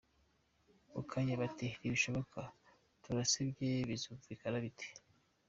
Mukanya bati ntibishoboka turasebye, bizumvikana bite ?